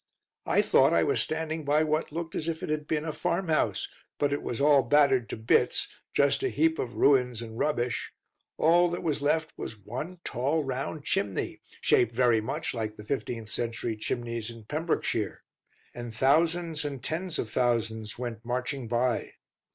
"I thought I was standing by what looked as if it had been a farmhouse; but it was all battered to bits, just a heap of ruins and rubbish. All that was left was one tall round chimney, shaped very much like the fifteenth century chimneys in Pembrokeshire. And thousands and tens of thousands went marching by.